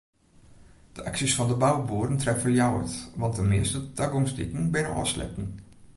De aksjes fan de bouboeren treffe Ljouwert want de measte tagongsdiken binne ôfsletten.